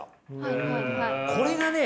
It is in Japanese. これがね